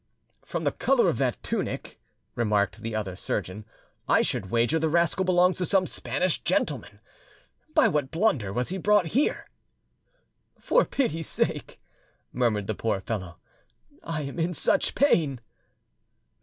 "From the colour of that tunic," remarked the other surgeon, "I should wager the rascal belongs to some Spanish gentleman. By what blunder was he brought here?" "For pity's sake!" murmured the poor fellow, "I am in such pain."